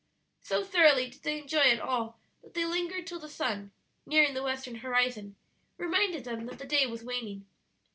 So thoroughly did they enjoy it all that they lingered till the sun, nearing the western horizon, reminded them that the day was waning.